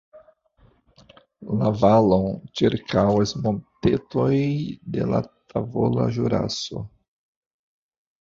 La valon ĉirkaŭas montetoj de la Tavola Ĵuraso.